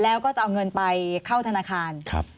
เอาเงินไปเข้าธนาคาร